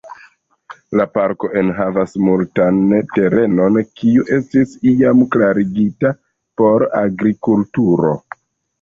La parko enhavas multan terenon kiu estis iam klarigita por agrikulturo.